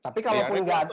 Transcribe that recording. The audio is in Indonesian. tapi kalau pun nggak ada